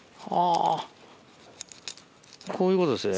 こういうことですね。